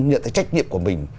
nhận cái trách nhiệm của mình